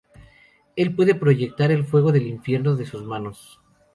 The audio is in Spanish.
Él puede proyectar el fuego del infierno de sus manos.